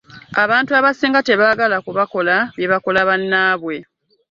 Abantu abasinga tebaagala kubakola bye bakola banaabwe.